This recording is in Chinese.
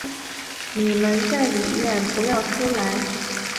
你们在里面不要出来